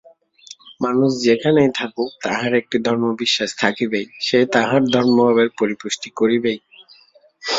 মানুষ যেখানেই থাকুক, তাহার একটি ধর্মবিশ্বাস থাকিবেই, সে তাহার ধর্মভাবের পরিপুষ্টি করিবেই।